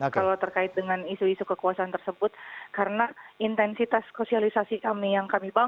kalau terkait dengan isu isu kekuasaan tersebut karena intensitas sosialisasi kami itu tidak ada hubungannya sama sekali